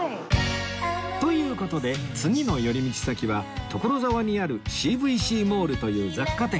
という事で次の寄り道先は所沢にある Ｃ．Ｖ．Ｃ モールという雑貨店へ